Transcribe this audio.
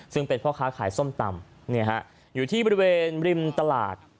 ซึ่งเป็นพ่อค้าขายส้มตำอยู่ที่บริเวณริมตลาด